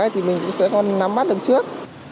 thì mình cũng sẽ còn nắm bắt được trước